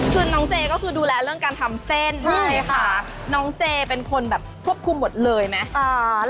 คือน้องเจก็คือดูแลเรื่องการทำเส้นใช่ค่ะน้องเจเป็นคนแบบควบคุมหมดเลยไหม